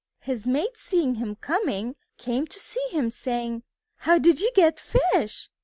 His mate, seeing him coming, came to meet him, saying: "How did you get fish?